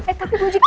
eh tapi lu juga